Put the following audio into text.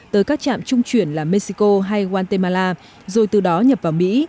tới các trạm trung chuyển là mexico hay guatemala rồi từ đó nhập vào mỹ